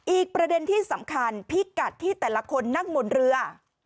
อีกประเด็นที่สำคัญพิกัดที่แต่ละคนนั่งบนเรือ